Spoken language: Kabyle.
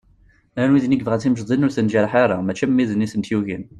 Llan widen i yebɣan timecḍin ur ten-njerreḥ ara mačči am widen i tent-yugin.